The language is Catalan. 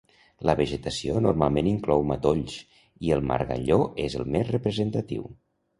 La vegetació normalment inclou matolls, i el margalló és el més representatiu.